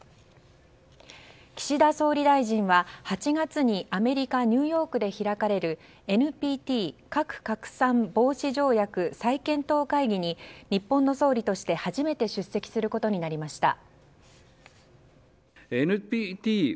岸田総理大臣は、８月にアメリカ・ニューヨークで開かれるＮＰＴ・核拡散防止条約再検討会議に日本の総理として初めて出席することになりました。